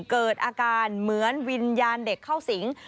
เกิดอาการเหมือนวิญญาณเด็กเข้าสิง